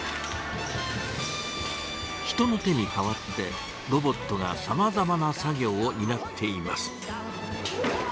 人の手に代わってロボットがさまざまな作業をになっています。